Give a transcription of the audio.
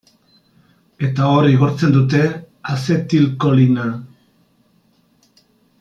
Eta hor igortzen dute azetilkolina.